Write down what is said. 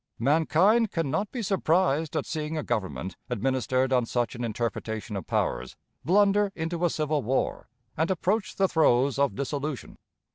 Mankind can not be surprised at seeing a Government, administered on such an interpretation of powers, blunder into a civil war, and approach the throes of dissolution.